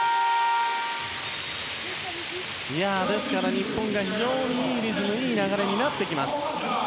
日本が非常にいいリズムいい流れになっています。